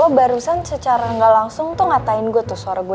oh barusan secara gak langsung tuh ngatain gue tuh suara gue